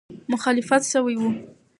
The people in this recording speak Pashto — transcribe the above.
مخالفت سوی وو.